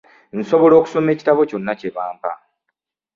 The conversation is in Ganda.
Nsobola okusoma ekitabo kyonna kye bampa.